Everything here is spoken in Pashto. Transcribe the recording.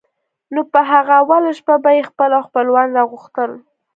نو په هغه اوله شپه به یې خپل او خپلوان را غوښتل.